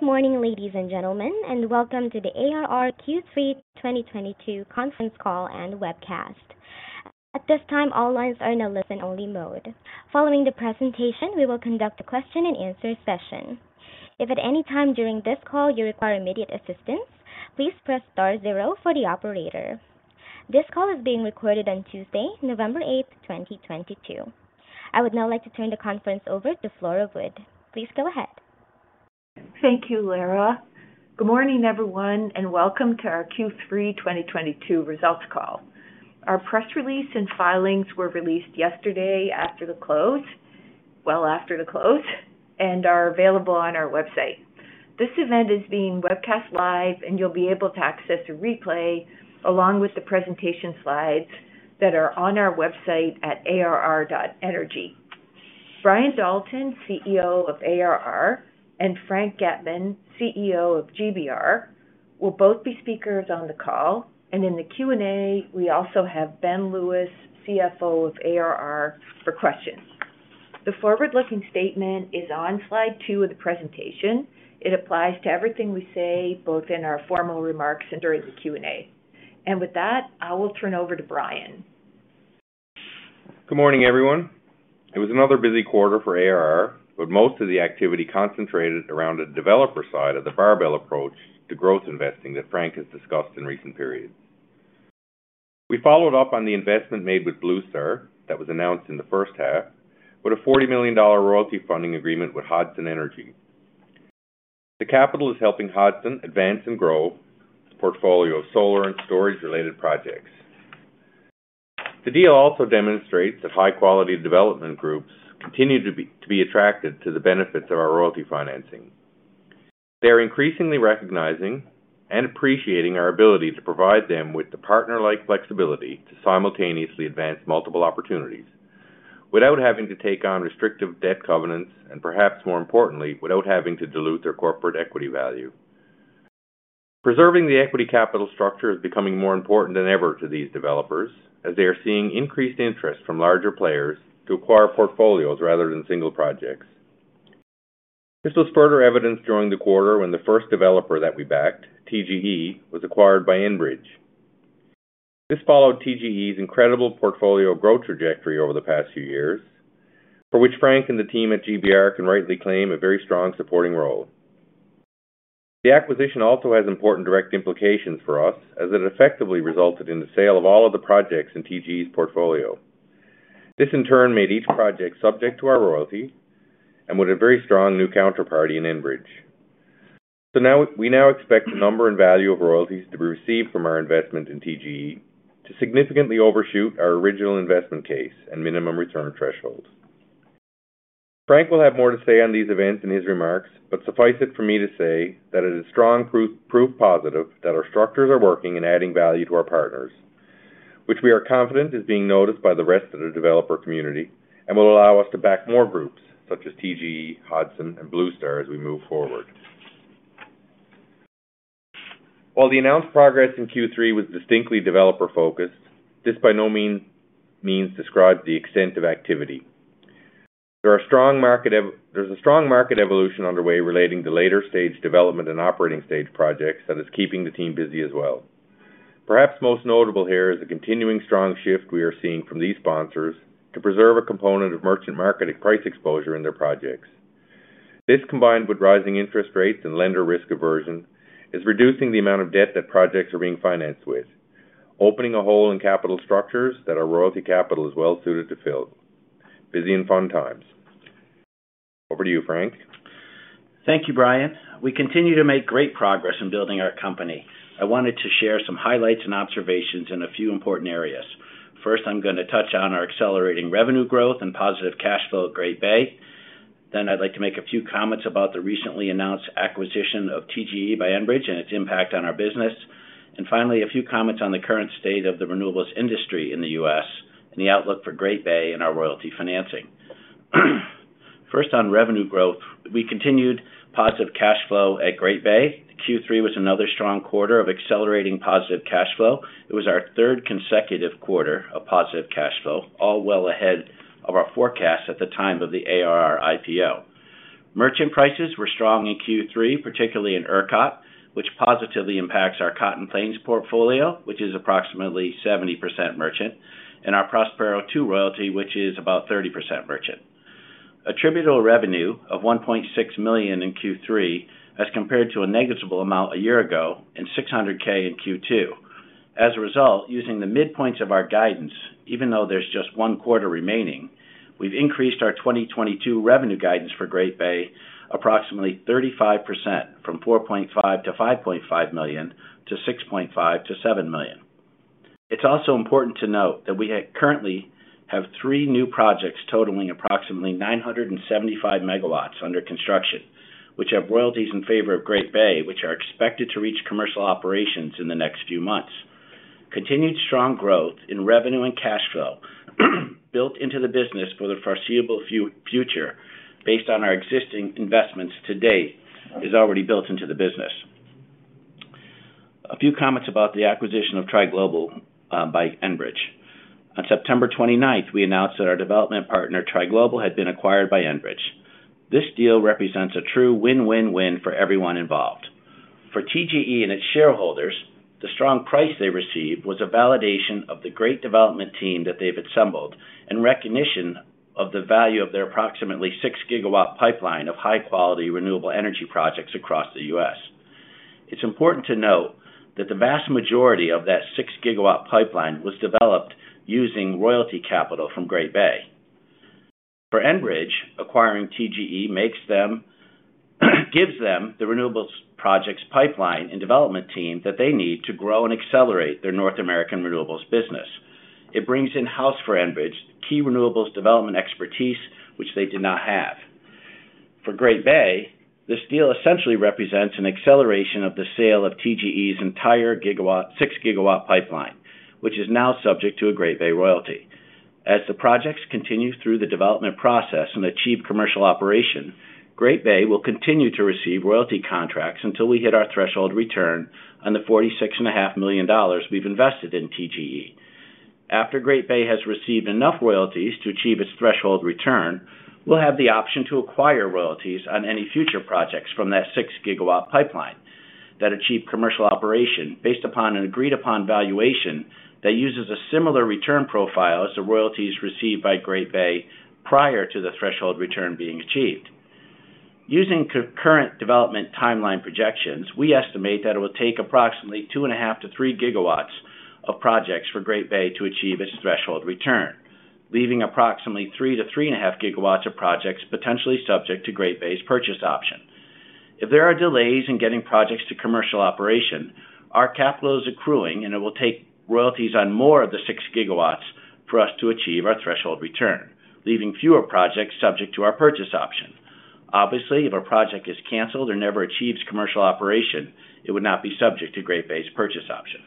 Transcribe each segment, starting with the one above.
Good morning, ladies and gentlemen, and welcome to the ARR Q3 2022 conference call and webcast. At this time, all lines are in a listen-only mode. Following the presentation, we will conduct a question and answer session. If at any time during this call you require immediate assistance, please press star zero for the operator. This call is being recorded on Tuesday, November 8, 2022. I would now like to turn the conference over to Flora Wood. Please go ahead. Thank you, Lara. Good morning, everyone, and welcome to our Q3 2022 results call. Our press release and filings were released yesterday after the close, well after the close, and are available on our website. This event is being webcast live, and you'll be able to access a replay along with the presentation slides that are on our website at arr.energy. Brian Dalton, CEO of ARR, and Frank Getman, CEO of GBR, will both be speakers on the call. In the Q&A, we also have Ben Lewis, CFO of ARR, for questions. The forward-looking statement is on slide two of the presentation. It applies to everything we say, both in our formal remarks and during the Q&A. With that, I will turn over to Brian. Good morning, everyone. It was another busy quarter for ARR, but most of the activity concentrated around the developer side of the barbell approach to growth investing that Frank has discussed in recent periods. We followed up on the investment made with Bluestar Energy Capital that was announced in the first half with a 40 million dollar royalty funding agreement with Hodson Energy. The capital is helping Hodson advance and grow its portfolio of solar and storage-related projects. The deal also demonstrates that high-quality development groups continue to be attracted to the benefits of our royalty financing. They are increasingly recognizing and appreciating our ability to provide them with the partner-like flexibility to simultaneously advance multiple opportunities without having to take on restrictive debt covenants, and perhaps more importantly, without having to dilute their corporate equity value. Preserving the equity capital structure is becoming more important than ever to these developers as they are seeing increased interest from larger players to acquire portfolios rather than single projects. This was further evidenced during the quarter when the first developer that we backed, TGE, was acquired by Enbridge. This followed TGE's incredible portfolio growth trajectory over the past few years, for which Frank and the team at GBR can rightly claim a very strong supporting role. The acquisition also has important direct implications for us, as it effectively resulted in the sale of all of the projects in TGE's portfolio. This, in turn, made each project subject to our royalty, with a very strong new counterparty in Enbridge. We now expect the number and value of royalties to be received from our investment in TGE to significantly overshoot our original investment case and minimum return thresholds. Frank will have more to say on these events in his remarks, but suffice it for me to say that it is strong proof positive that our structures are working and adding value to our partners, which we are confident is being noticed by the rest of the developer community and will allow us to back more groups such as TGE, Hodson, and Bluestar as we move forward. While the announced progress in Q3 was distinctly developer-focused, this by no means describes the extent of activity. There's a strong market evolution underway relating to later stage development and operating stage projects that is keeping the team busy as well. Perhaps most notable here is the continuing strong shift we are seeing from these sponsors to preserve a component of merchant market and price exposure in their projects. This, combined with rising interest rates and lender risk aversion, is reducing the amount of debt that projects are being financed with, opening a hole in capital structures that our royalty capital is well-suited to fill. Busy and fun times. Over to you, Frank. Thank you, Brian. We continue to make great progress in building our company. I wanted to share some highlights and observations in a few important areas. First, I'm gonna touch on our accelerating revenue growth and positive cash flow at Great Bay. I'd like to make a few comments about the recently announced acquisition of TGE by Enbridge and its impact on our business. Finally, a few comments on the current state of the renewables industry in the U.S. and the outlook for Great Bay and our royalty financing. First, on revenue growth, we continued positive cash flow at Great Bay. Q3 was another strong quarter of accelerating positive cash flow. It was our third consecutive quarter of positive cash flow, all well ahead of our forecast at the time of the ARR IPO. Merchant prices were strong in Q3, particularly in ERCOT, which positively impacts our Cotton Plains portfolio, which is approximately 70% merchant, and our Prospero Two royalty, which is about 30% merchant. Attributable revenue of 1.6 million in Q3 as compared to a negligible amount a year ago and 600K in Q2. As a result, using the midpoints of our guidance, even though there's just one quarter remaining, we've increased our 2022 revenue guidance for Great Bay approximately 35%, from 4.5 million-5.5 million to 6.5 million-7 million. It's also important to note that we currently have three new projects totaling approximately 975 MW under construction, which have royalties in favor of Great Bay, which are expected to reach commercial operations in the next few months. Continued strong growth in revenue and cash flow built into the business for the foreseeable future based on our existing investments to date is already built into the business. A few comments about the acquisition of Tri Global by Enbridge. On September 29th, we announced that our development partner, Tri Global, had been acquired by Enbridge. This deal represents a true win-win-win for everyone involved. For TGE and its shareholders, the strong price they received was a validation of the great development team that they've assembled in recognition of the value of their approximately 6 gigawatt pipeline of high quality renewable energy projects across the US. It's important to note that the vast majority of that 6 gigawatt pipeline was developed using royalty capital from Great Bay. For Enbridge, acquiring TGE gives them the renewables projects pipeline and development team that they need to grow and accelerate their North American renewables business. It brings in-house for Enbridge key renewables development expertise, which they did not have. For Great Bay, this deal essentially represents an acceleration of the sale of TGE's entire 6-gigawatt pipeline, which is now subject to a Great Bay royalty. As the projects continue through the development process and achieve commercial operation, Great Bay will continue to receive royalty contracts until we hit our threshold return on the $46.5 million we've invested in TGE. After Great Bay has received enough royalties to achieve its threshold return, we'll have the option to acquire royalties on any future projects from that 6-gigawatt pipeline that achieve commercial operation based upon an agreed upon valuation that uses a similar return profile as the royalties received by Great Bay prior to the threshold return being achieved. Using concurrent development timeline projections, we estimate that it will take approximately 2.5-3 gigawatts of projects for Great Bay to achieve its threshold return, leaving approximately 3-3.5 gigawatts of projects potentially subject to Great Bay's purchase option. If there are delays in getting projects to commercial operation, our capital is accruing, and it will take royalties on more of the 6 gigawatts for us to achieve our threshold return, leaving fewer projects subject to our purchase option. Obviously, if a project is canceled or never achieves commercial operation, it would not be subject to Great Bay's purchase option.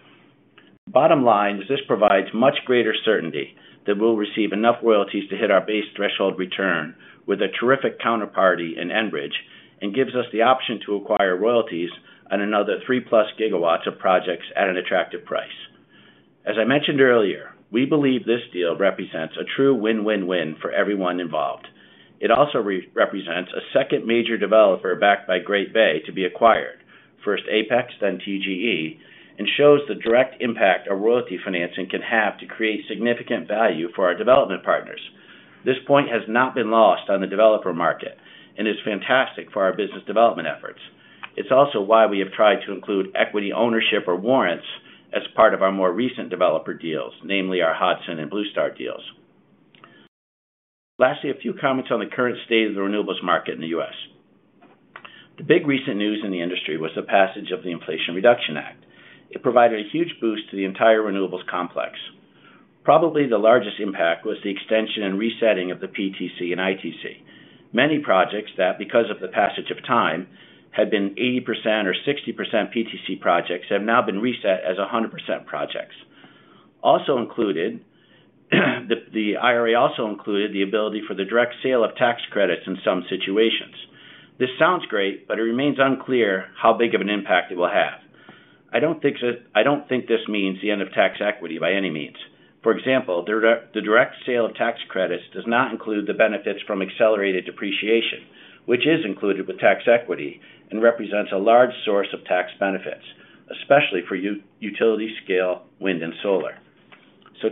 Bottom line is this provides much greater certainty that we'll receive enough royalties to hit our base threshold return with a terrific counterparty in Enbridge and gives us the option to acquire royalties on another 3-plus gigawatts of projects at an attractive price. As I mentioned earlier, we believe this deal represents a true win-win-win for everyone involved. It also represents a second major developer backed by Great Bay to be acquired, first Apex, then TGE, and shows the direct impact a royalty financing can have to create significant value for our development partners. This point has not been lost on the developer market and is fantastic for our business development efforts. It's also why we have tried to include equity ownership or warrants as part of our more recent developer deals, namely our Hodson and Bluestar deals. Lastly, a few comments on the current state of the renewables market in the U.S. The big recent news in the industry was the passage of the Inflation Reduction Act. It provided a huge boost to the entire renewables complex. Probably the largest impact was the extension and resetting of the PTC and ITC. Many projects that, because of the passage of time, had been 80% or 60% PTC projects, have now been reset as 100% projects. Also, the IRA also included the ability for the direct sale of tax credits in some situations. This sounds great, but it remains unclear how big of an impact it will have. I don't think this means the end of tax equity by any means. For example, the direct sale of tax credits does not include the benefits from accelerated depreciation, which is included with tax equity and represents a large source of tax benefits, especially for utility scale wind and solar.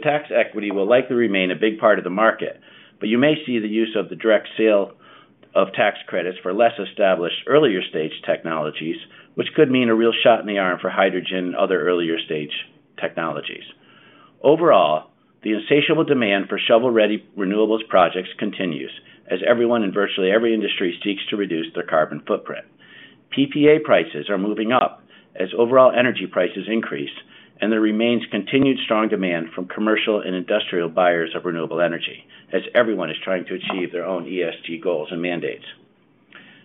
Tax equity will likely remain a big part of the market, but you may see the use of the direct sale of tax credits for less established earlier stage technologies, which could mean a real shot in the arm for hydrogen and other earlier stage technologies. Overall, the insatiable demand for shovel-ready renewables projects continues as everyone in virtually every industry seeks to reduce their carbon footprint. PPA prices are moving up as overall energy prices increase, and there remains continued strong demand from commercial and industrial buyers of renewable energy as everyone is trying to achieve their own ESG goals and mandates.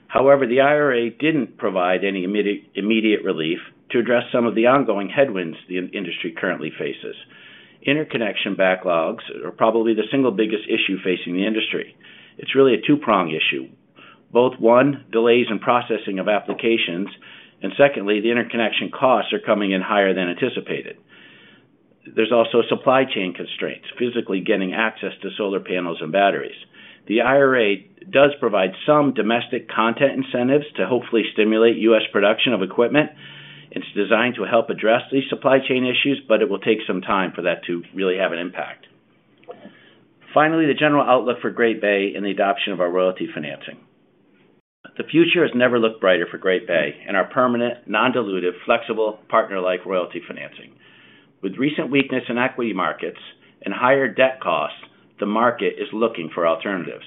However, the IRA didn't provide any immediate relief to address some of the ongoing headwinds the industry currently faces. Interconnection backlogs are probably the single biggest issue facing the industry. It's really a two-prong issue. Both one, delays in processing of applications, and secondly, the interconnection costs are coming in higher than anticipated. There's also supply chain constraints, physically getting access to solar panels and batteries. The IRA does provide some domestic content incentives to hopefully stimulate US production of equipment. It's designed to help address these supply chain issues, but it will take some time for that to really have an impact. Finally, the general outlook for Great Bay and the adoption of our royalty financing. The future has never looked brighter for Great Bay and our permanent, non-dilutive, flexible partner-like royalty financing. With recent weakness in equity markets and higher debt costs, the market is looking for alternatives.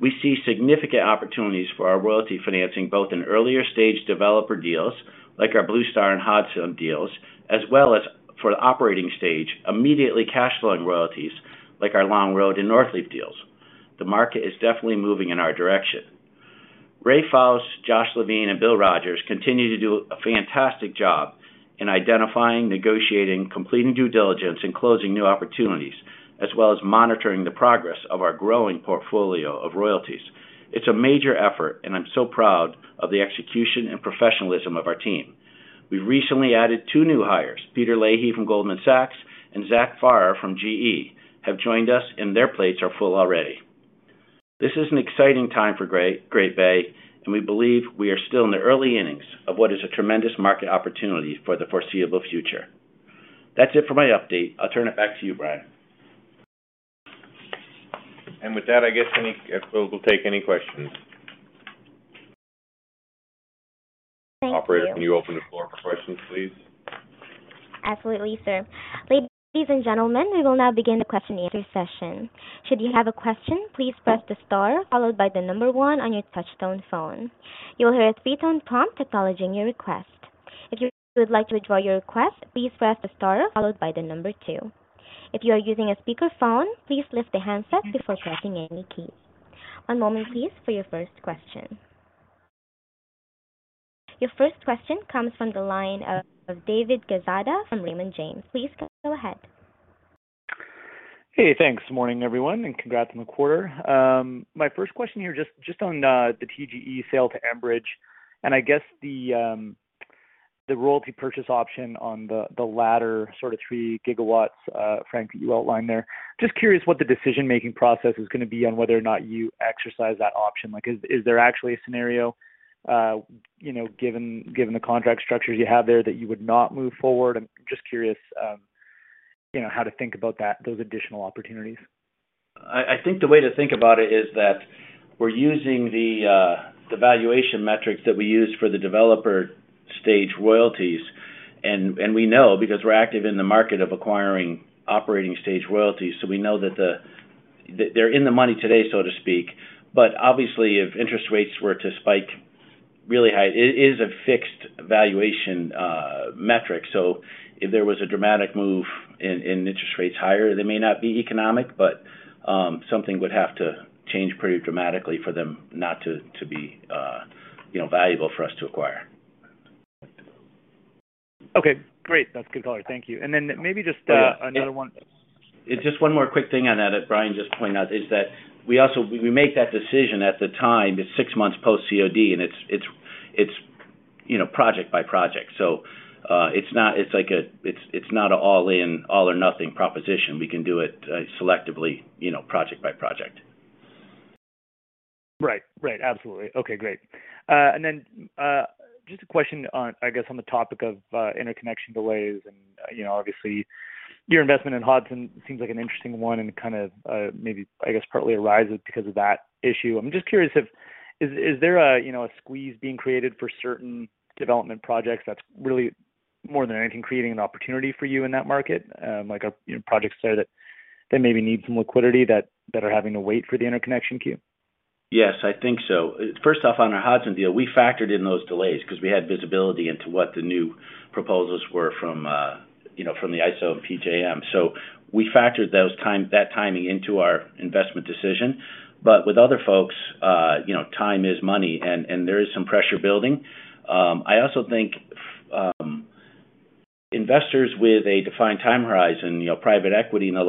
We see significant opportunities for our royalty financing, both in earlier stage developer deals like our Bluestar and Hodson deals, as well as for the operating stage, immediately cash flowing royalties like our Longroad and Northleaf deals. The market is definitely moving in our direction. Ray Faust, Josh Levine, and Bill Rodgers continue to do a fantastic job in identifying, negotiating, completing due diligence, and closing new opportunities, as well as monitoring the progress of our growing portfolio of royalties. It's a major effort, and I'm so proud of the execution and professionalism of our team. We recently added two new hires, Peter Leahy from Goldman Sachs and Zach Farr from GE, have joined us, and their plates are full already. This is an exciting time for Great Bay, and we believe we are still in the early innings of what is a tremendous market opportunity for the foreseeable future. That's it for my update. I'll turn it back to you, Brian. With that, I guess we'll take any questions. Thank you. Operator, can you open the floor for questions, please? Absolutely, sir. Ladies and gentlemen, we will now begin the question and answer session. Should you have a question, please press the star followed by the number one on your touch tone phone. You will hear a three-tone prompt acknowledging your request. If you would like to withdraw your request, please press the star followed by the number two. If you are using a speakerphone, please lift the handset before pressing any key. One moment please for your first question. Your first question comes from the line of David Quezada from Raymond James. Please go ahead. Hey, thanks. Morning, everyone, and congrats on the quarter. My first question here, just on the TGE sale to Enbridge, and I guess the royalty purchase option on the latter sort of 3 gigawatts, Frank, that you outlined there. Just curious what the decision-making process is gonna be on whether or not you exercise that option. Like, is there actually a scenario, you know, given the contract structure you have there that you would not move forward? I'm just curious, you know, how to think about that, those additional opportunities. I think the way to think about it is that we're using the valuation metrics that we use for the developer stage royalties. We know because we're active in the market of acquiring operating stage royalties. We know that they're in the money today, so to speak. Obviously, if interest rates were to spike really high, it is a fixed valuation metric. If there was a dramatic move in interest rates higher, they may not be economic, but something would have to change pretty dramatically for them not to be, you know, valuable for us to acquire. Okay, great. That's a good color. Thank you. Maybe just, Yeah. another one. Just one more quick thing on that that Brian just pointed out is that we also make that decision at the time, it's six months post-COD, and it's you know project by project. It's not an all-in, all or nothing proposition. We can do it selectively, you know, project by project. Right. Right. Absolutely. Okay, great. Just a question on, I guess, on the topic of interconnection delays and, you know, obviously your investment in Hodson seems like an interesting one and kind of, maybe I guess partly arises because of that issue. I'm just curious if there is a, you know, a squeeze being created for certain development projects that's really more than anything, creating an opportunity for you in that market. Like a, you know, projects there that maybe need some liquidity that are having to wait for the interconnection queue. Yes, I think so. First off, on our Hodson deal, we factored in those delays 'cause we had visibility into what the new proposals were from, you know, from the ISO and PJM. We factored that timing into our investment decision. With other folks, you know, time is money, and there is some pressure building. I also think investors with a defined time horizon, you know, private equity and the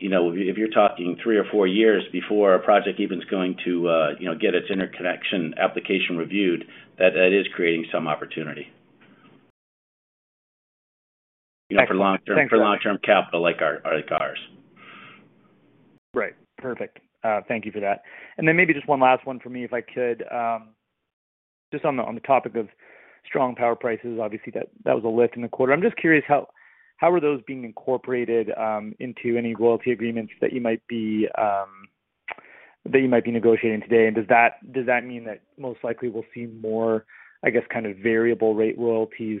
like, you know, if you're talking three or four years before a project even is going to, you know, get its interconnection application reviewed, that is creating some opportunity. Thanks for. For long-term capital like ours. Right. Perfect. Thank you for that. Maybe just one last one for me, if I could. Just on the topic of strong power prices. Obviously, that was a lift in the quarter. I'm just curious how are those being incorporated into any royalty agreements that you might be negotiating today? Does that mean that most likely we'll see more, I guess, kind of variable rate royalties,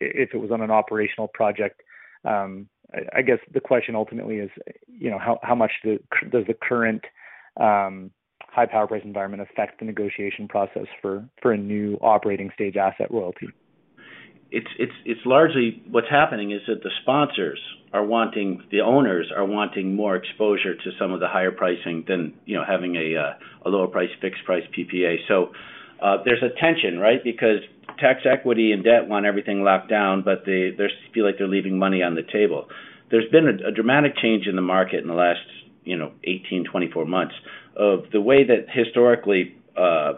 if it was on an operational project? I guess the question ultimately is, you know, how much does the current high power price environment affect the negotiation process for a new operating stage asset royalty? It's largely what's happening is that the sponsors are wanting the owners are wanting more exposure to some of the higher pricing than, you know, having a lower price, fixed price PPA. There's a tension, right? Because tax equity and debt want everything locked down, but they feel like they're leaving money on the table. There's been a dramatic change in the market in the last, you know, 18-24 months of the way that historically,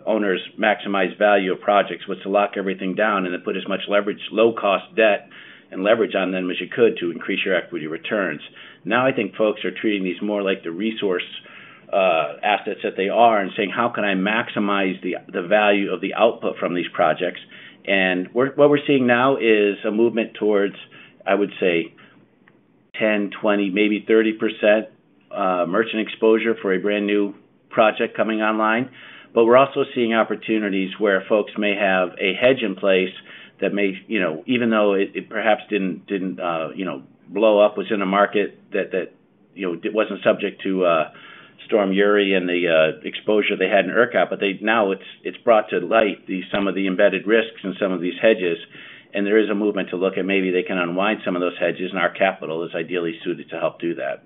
owners maximize value of projects was to lock everything down and then put as much leverage, low cost debt and leverage on them as you could to increase your equity returns. Now, I think folks are treating these more like the resource assets that they are and saying, "How can I maximize the value of the output from these projects?" What we're seeing now is a movement towards, I would say 10, 20, maybe 30% merchant exposure for a brand new project coming online. We're also seeing opportunities where folks may have a hedge in place that may, you know, even though it perhaps didn't, you know, blow up, was in a market that, you know, it wasn't subject to Storm Uri and the exposure they had in ERCOT, but now it's brought to light some of the embedded risks in some of these hedges, and there is a movement to look at maybe they can unwind some of those hedges, and our capital is ideally suited to help do that.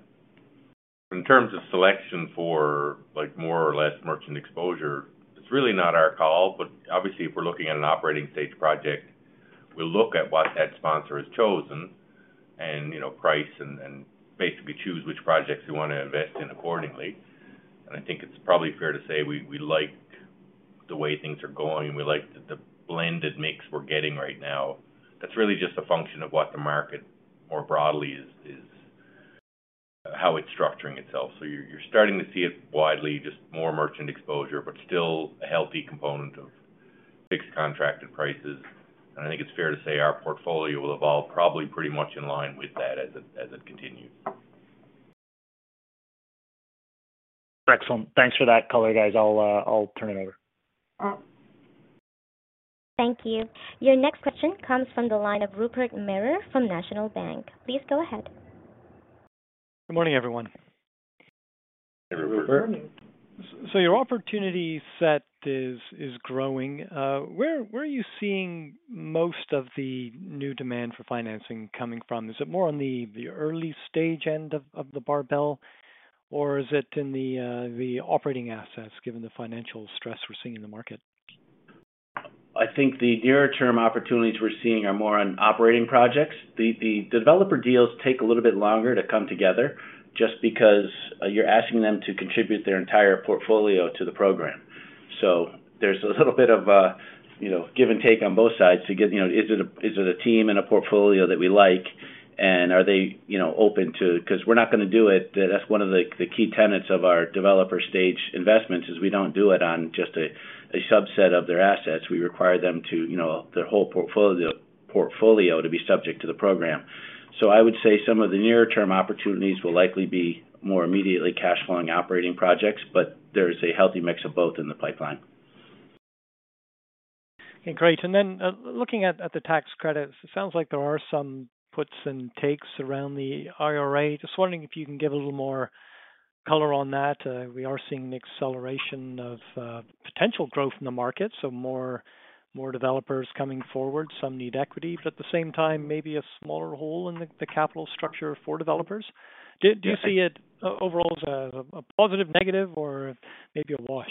In terms of selection for like more or less merchant exposure, it's really not our call. Obviously if we're looking at an operating stage project, we'll look at what that sponsor has chosen and, you know, price and basically choose which projects we wanna invest in accordingly. I think it's probably fair to say we like the way things are going, and we like the blended mix we're getting right now. That's really just a function of what the market more broadly is how it's structuring itself. You're starting to see it widely, just more merchant exposure, but still a healthy component of fixed contracted prices. I think it's fair to say our portfolio will evolve probably pretty much in line with that as it continues. Excellent. Thanks for that color, guys. I'll turn it over. Thank you. Your next question comes from the line of Rupert Merer from National Bank. Please go ahead. Good morning, everyone. Good morning. Your opportunity set is growing. Where are you seeing most of the new demand for financing coming from? Is it more on the early stage end of the barbell, or is it in the operating assets, given the financial stress we're seeing in the market? I think the nearer term opportunities we're seeing are more on operating projects. The developer deals take a little bit longer to come together just because you're asking them to contribute their entire portfolio to the program. There's a little bit of you know, give and take on both sides to get you know, is it a team and a portfolio that we like, and are they you know, open to, 'cause we're not gonna do it. That's one of the key tenets of our developer stage investments is we don't do it on just a subset of their assets. We require them to you know, their whole portfolio to be subject to the program. I would say some of the nearer term opportunities will likely be more immediately cash flowing operating projects, but there's a healthy mix of both in the pipeline. Okay, great. Looking at the tax credits, it sounds like there are some puts and takes around the IRA. Just wondering if you can give a little more color on that. We are seeing an acceleration of potential growth in the market, so more developers coming forward. Some need equity, but at the same time, maybe a smaller hole in the capital structure for developers. Do you see it overall as a positive, negative or maybe a wash?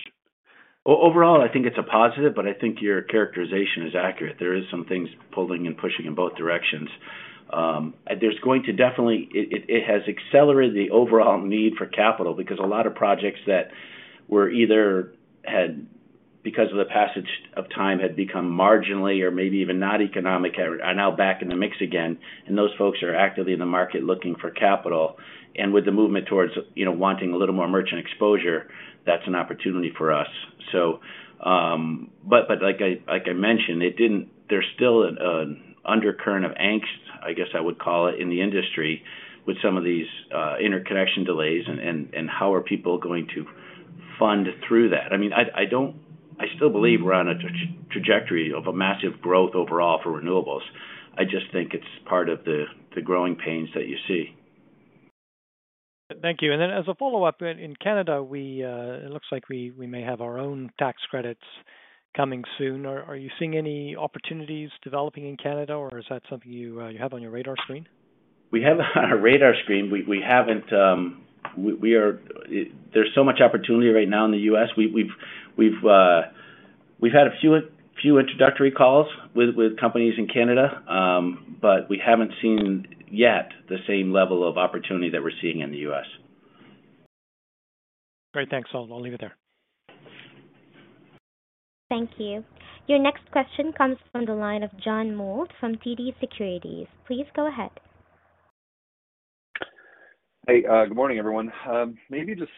Overall, I think it's a positive, but I think your characterization is accurate. There is some things pulling and pushing in both directions. There's going to definitely. It has accelerated the overall need for capital because a lot of projects that were either had, because of the passage of time, had become marginally or maybe even not economic are now back in the mix again. Those folks are actively in the market looking for capital. With the movement towards, you know, wanting a little more merchant exposure, that's an opportunity for us. But like I mentioned, it didn't. There's still an undercurrent of angst, I guess I would call it, in the industry with some of these interconnection delays and how are people going to fund through that. I mean, I don't still believe we're on a trajectory of massive growth overall for renewables. I just think it's part of the growing pains that you see. Thank you. Then as a follow-up, in Canada, it looks like we may have our own tax credits coming soon. Are you seeing any opportunities developing in Canada or is that something you have on your radar screen? We have it on our radar screen. We haven't. There's so much opportunity right now in the US. We've had a few introductory calls with companies in Canada. We haven't seen yet the same level of opportunity that we're seeing in the US. Great. Thanks. I'll leave it there. Thank you. Your next question comes from the line of John Mould from TD Securities. Please go ahead. Hey, good morning, everyone. Maybe just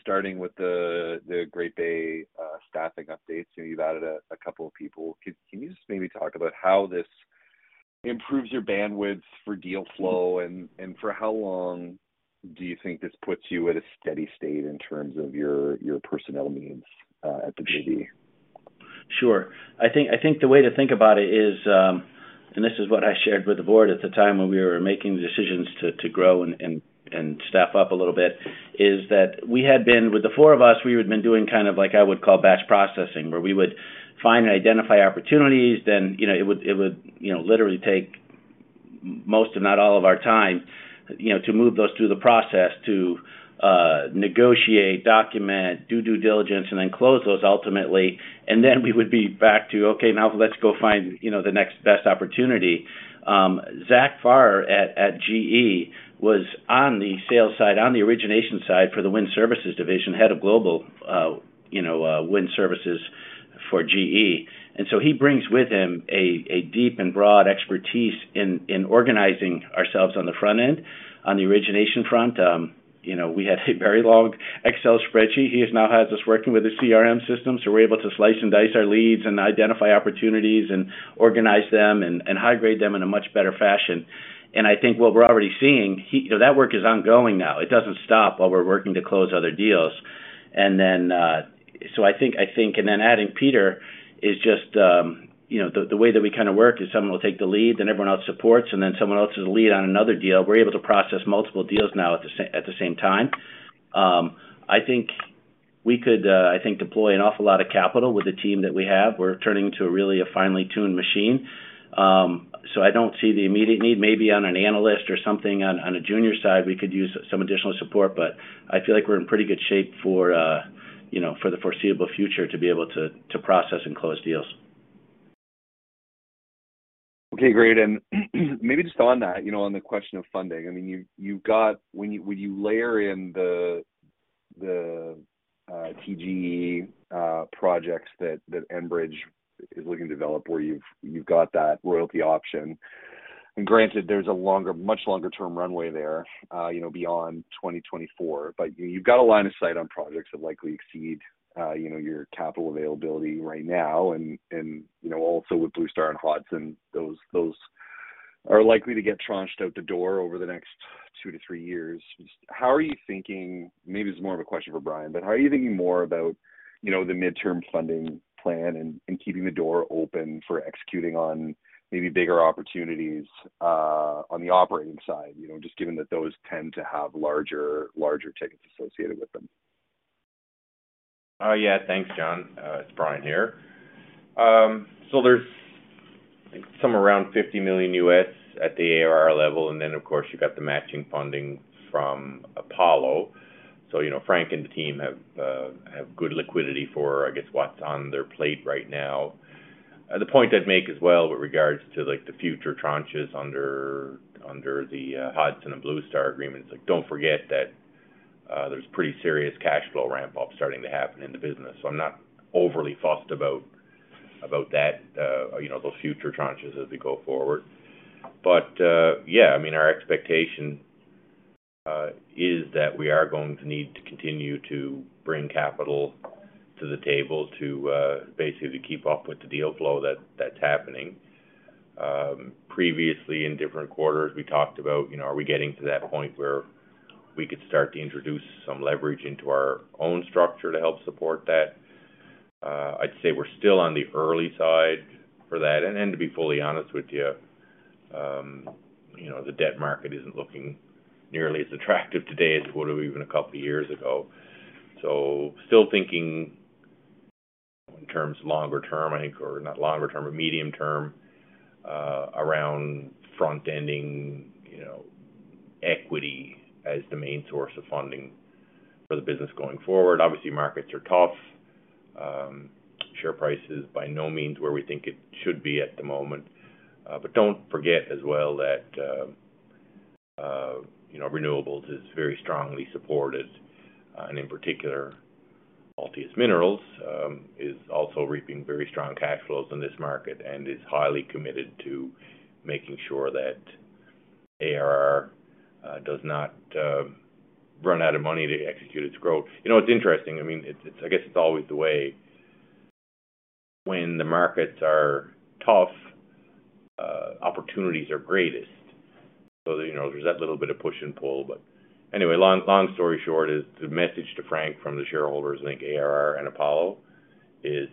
starting with the Great Bay staffing updates. You know, you've added a couple of people. Can you just maybe talk about how this improves your bandwidth for deal flow and for how long do you think this puts you at a steady state in terms of your personnel needs at the BD? Sure. I think the way to think about it is. This is what I shared with the board at the time when we were making the decisions to grow and staff up a little bit, is that with the four of us, we had been doing kind of like I would call batch processing, where we would find and identify opportunities, then, you know, it would, you know, literally take most, if not all of our time, you know, to move those through the process to negotiate, document, do due diligence, and then close those ultimately. Then we would be back to, okay, now let's go find, you know, the next best opportunity. Zach Farrar at GE was on the sales side, on the origination side for the wind services division, head of global wind services for GE. He brings with him a deep and broad expertise in organizing ourselves on the front end, on the origination front. We had a very long Excel spreadsheet. He has now had us working with a CRM system, so we're able to slice and dice our leads and identify opportunities and organize them and high-grade them in a much better fashion. I think what we're already seeing, that work is ongoing now. It doesn't stop while we're working to close other deals. I think adding Peter is just... You know, the way that we kinda work is someone will take the lead, then everyone else supports, and then someone else is the lead on another deal. We're able to process multiple deals now at the same time. I think we could deploy an awful lot of capital with the team that we have. We're turning into a really finely tuned machine. I don't see the immediate need. Maybe on an analyst or something on a junior side, we could use some additional support, but I feel like we're in pretty good shape for you know, for the foreseeable future to be able to process and close deals. Okay, great. Maybe just on that, you know, on the question of funding. I mean, when you layer in the TGE projects that Enbridge is looking to develop where you've got that royalty option, and granted there's a longer, much longer term runway there, you know, beyond 2024. You've got a line of sight on projects that likely exceed, you know, your capital availability right now and, you know, also with Bluestar and Hodson, those are likely to get tranched out the door over the next 2-3 years. How are you thinking? Maybe this is more of a question for Brian, but how are you thinking more about, you know, the midterm funding plan and keeping the door open for executing on maybe bigger opportunities on the operating side, you know, just given that those tend to have larger tickets associated with them? Yeah. Thanks, John. It's Brian here. There's somewhere around $50 million at the ARR level, and then of course, you've got the matching funding from Apollo. You know, Frank and the team have good liquidity for, I guess, what's on their plate right now. The point I'd make as well with regards to, like, the future tranches under the Hodson and Bluestar agreements, like, don't forget that there's pretty serious cash flow ramp-up starting to happen in the business. I'm not overly fussed about that, you know, those future tranches as we go forward. Yeah, I mean, our expectation is that we are going to need to continue to bring capital to the table to basically to keep up with the deal flow that's happening. Previously in different quarters, we talked about, you know, are we getting to that point where we could start to introduce some leverage into our own structure to help support that? I'd say we're still on the early side for that. And to be fully honest with you know, the debt market isn't looking nearly as attractive today as it would have even a couple of years ago. Still thinking in terms of longer term, I think, or not longer term, but medium term, around front-ending, you know, equity as the main source of funding for the business going forward. Obviously, markets are tough. Share price is by no means where we think it should be at the moment. Don't forget as well that, you know, renewables is very strongly supported, and in particular, Altius Minerals is also reaping very strong cash flows in this market and is highly committed to making sure that ARR does not run out of money to execute its growth. You know, it's interesting. I mean, it's I guess it's always the way when the markets are tough, opportunities are greatest. You know, there's that little bit of push and pull. Anyway, long story short is the message to Frank from the shareholders and the ARR and Apollo is,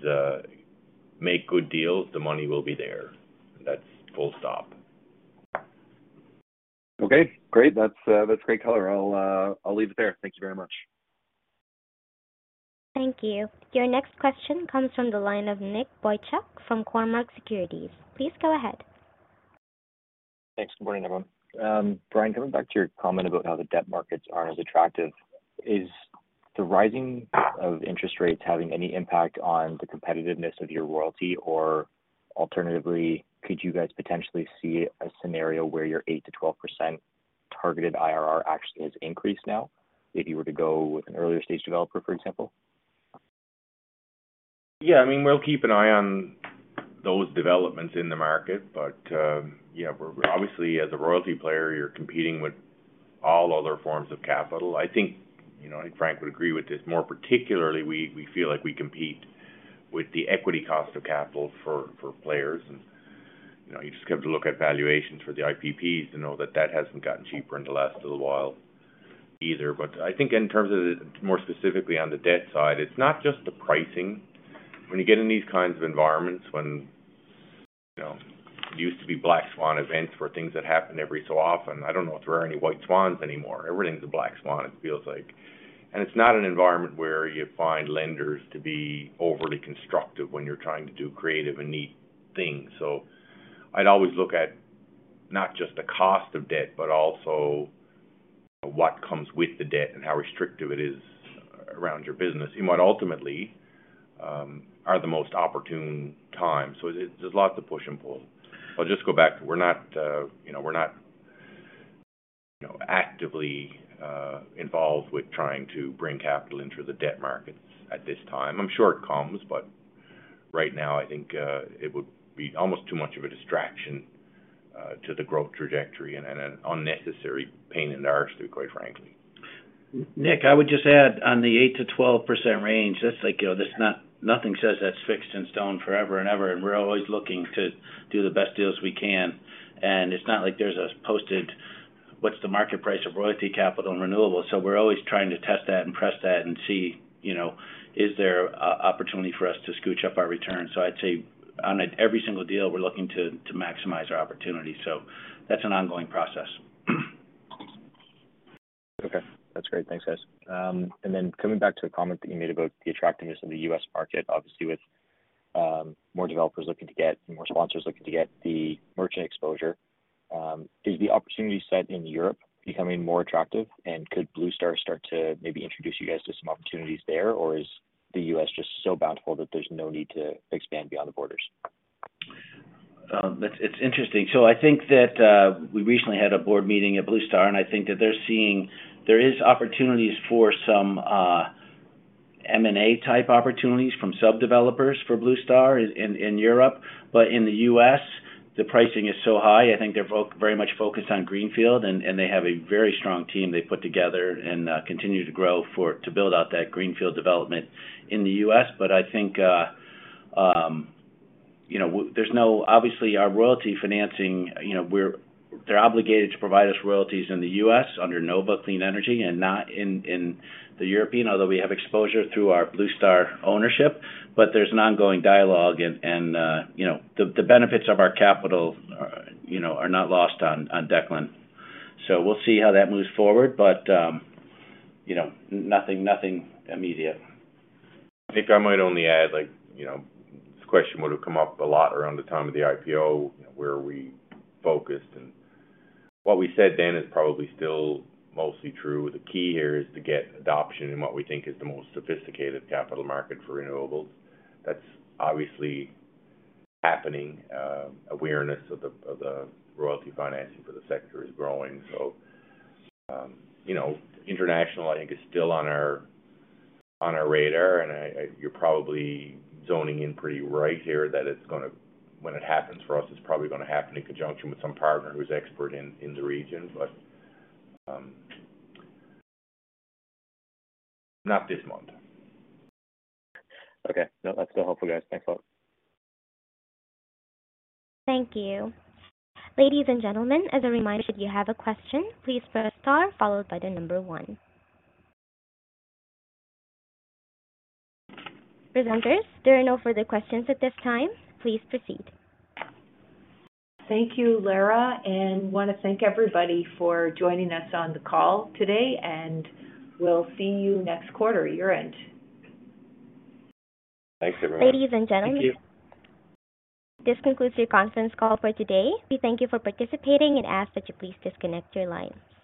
make good deals, the money will be there. That's full stop. Okay, great. That's great color. I'll leave it there. Thank you very much. Thank you. Your next question comes from the line of Nick Boychuk from Cormark Securities. Please go ahead. Thanks. Good morning, everyone. Brian, coming back to your comment about how the debt markets aren't as attractive, is the rising of interest rates having any impact on the competitiveness of your royalty? Or alternatively, could you guys potentially see a scenario where your 8%-12% targeted IRR actually has increased now if you were to go with an earlier stage developer, for example? Yeah, I mean, we'll keep an eye on those developments in the market. Yeah, we're obviously, as a royalty player, you're competing with all other forms of capital. I think, you know, Frank would agree with this, more particularly, we feel like we compete with the equity cost of capital for players. You know, you just have to look at valuations for the IPPs to know that that hasn't gotten cheaper in the last little while either. I think in terms of more specifically on the debt side, it's not just the pricing. When you get in these kinds of environments, you know, it used to be black swan events were things that happen every so often. I don't know if there are any white swans anymore. Everything's a black swan, it feels like. It's not an environment where you find lenders to be overly constructive when you're trying to do creative and neat things. I'd always look at not just the cost of debt, but also what comes with the debt and how restrictive it is around your business in what ultimately are the most opportune times. There's lots of push and pull. I'll just go back. We're not, you know, actively involved with trying to bring capital into the debt markets at this time. I'm sure it comes, but right now I think it would be almost too much of a distraction to the growth trajectory and an unnecessary pain in the arse, too, quite frankly. Nick, I would just add on the 8%-12% range, that's like, you know, there's nothing says that's fixed in stone forever and ever, and we're always looking to do the best deals we can. It's not like there's a posted, what's the market price of royalty capital and renewable? We're always trying to test that and press that and see, you know, is there opportunity for us to scooch up our returns? I'd say on every single deal, we're looking to maximize our opportunity. That's an ongoing process. Okay, that's great. Thanks, guys. Coming back to a comment that you made about the attractiveness of the U.S. market. Obviously, with more developers looking to get and more sponsors looking to get the merchant exposure, is the opportunity set in Europe becoming more attractive? Could Bluestar start to maybe introduce you guys to some opportunities there? Or is the U.S. just so bountiful that there's no need to expand beyond the borders? It's interesting. I think that we recently had a board meeting at Bluestar, and I think that they're seeing there is opportunities for some M&A type opportunities from sub-developers for Bluestar in Europe. In the US, the pricing is so high, I think they're very much focused on greenfield, and they have a very strong team they put together and continue to grow to build out that greenfield development in the US. I think you know there's no. Obviously, our royalty financing, you know, they're obligated to provide us royalties in the US under Nova Clean Energy and not in Europe, although we have exposure through our Bluestar ownership. There's an ongoing dialogue and you know the benefits of our capital you know are not lost on Declan. We'll see how that moves forward. You know nothing immediate. Nick, I might only add, like, you know, this question would have come up a lot around the time of the IPO, you know, where are we focused. What we said then is probably still mostly true. The key here is to get adoption in what we think is the most sophisticated capital market for renewables. That's obviously happening. Awareness of the royalty financing for the sector is growing. You know, international, I think, is still on our radar. You're probably zoning in pretty right here that when it happens for us, it's probably gonna happen in conjunction with some partner who's expert in the region. Not this month. Okay. No, that's still helpful, guys. Thanks a lot. Thank you. Ladies and gentlemen, as a reminder, should you have a question, please press star followed by the number 1. Presenters, there are no further questions at this time. Please proceed. Thank you, Lara, and wanna thank everybody for joining us on the call today. We'll see you next quarter your end. Thanks, everyone. Ladies and gentlemen. Thank you. This concludes your conference call for today. We thank you for participating and ask that you please disconnect your lines.